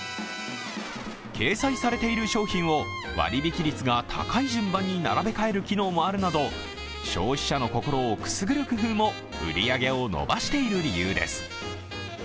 掲載されている商品を割引率が高い順番に並び替える機能もあるなど消費者の心をくすぐる工夫も売り上げを伸ばしている理由です。